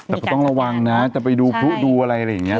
แต่ก็ต้องระวังนะจะไปดูพลุดูอะไรอะไรอย่างนี้